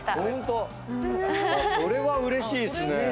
ホント⁉それはうれしいっすね。